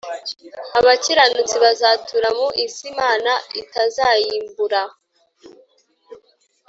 abakiranutsi bazatura mu isi imana itazayiimbura